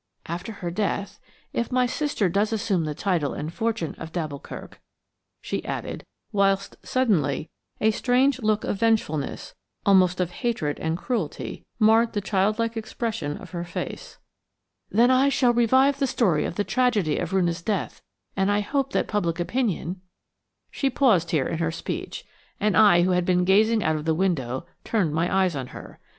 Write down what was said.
After her death, if my sister does assume the title and fortune of d'Alboukirk," she added, whilst suddenly a strange look of vengefulness–almost of hatred and cruelty–marred the child like expression of her face, "then I shall revive the story of the tragedy of Roonah's death, and I hope that public opinion–" She paused here in her speech, and I, who had been gazing out of the window, turned my eyes on her.